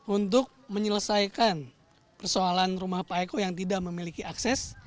untuk menyelesaikan persoalan rumah pak eko yang tidak memiliki akses